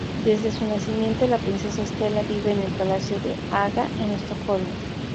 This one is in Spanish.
Desde su nacimiento la princesa Estela vive en el Palacio de Haga en Estocolmo.